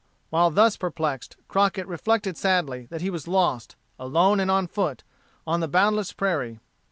While thus perplexed, Crockett reflected sadly that he was lost, alone and on foot, on the boundless prairie.